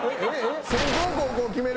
先攻後攻決める